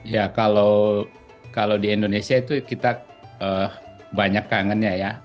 ya kalau di indonesia itu kita banyak kangennya ya